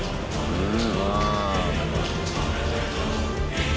うん。